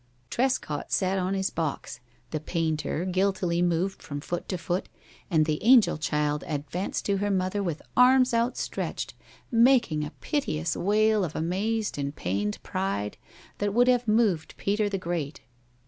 Trescott sat on his box, the painter guiltily moved from foot to foot, and the angel child advanced to her mother with arms outstretched, making a piteous wail of amazed and pained pride that would have moved Peter the Great.